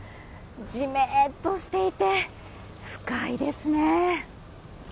じめーっとしていて不快ですね。